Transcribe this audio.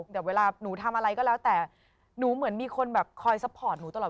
เดี๋ยวเวลาหนูทำอะไรก็แล้วแต่หนูเหมือนมีคนแบบคอยซัพพอร์ตหนูตลอด